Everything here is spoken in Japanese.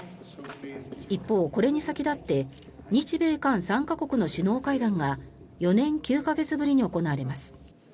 一方、これに先立って日米韓３か国の首脳会談が４年９か月ぶりに行われます。